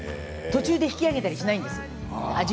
途中で引き上げたりしないんです